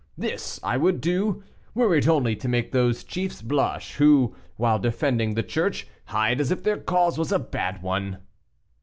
This I would do, were it only to make those chiefs blush, who, while defending the Church, hide, as if their cause was a bad one."